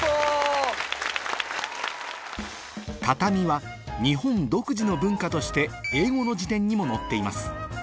畳は日本独自の文化として英語の辞典にも載っています